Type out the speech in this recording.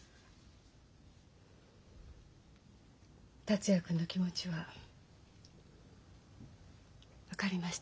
達也君の気持ちは分かりました。